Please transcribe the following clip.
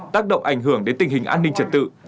tác động ảnh hưởng đến tình hình an ninh trật tự